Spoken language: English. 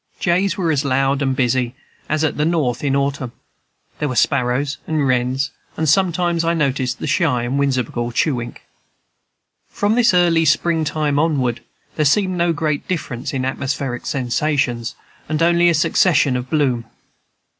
Jays were as loud and busy as at the North in autumn; there were sparrows and wrens; and sometimes I noticed the shy and whimsical chewink. From this early spring time onward, there seemed no great difference in atmospheric sensations, and only a succession of bloom.